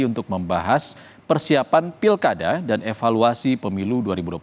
untuk membahas persiapan pilkada dan evaluasi pemilu dua ribu dua puluh